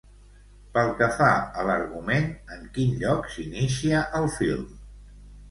Pel que fa a l'argument, en quin lloc s'inicia el film?